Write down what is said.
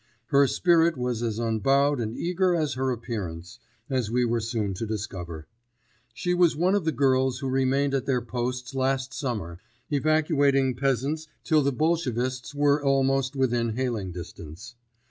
Her spirit was as unbowed and eager as her appearance, as we were soon to discover. She was one of the girls who remained at their posts last summer, evacuating peasants till the Bolshevists were almost within hailing distance.